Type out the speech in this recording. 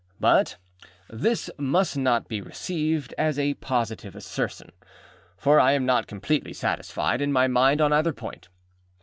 But this must not be received as a positive assertion, for I am not completely satisfied in my mind on either point.